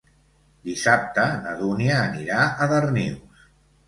Dissabte na Dúnia anirà a Darnius.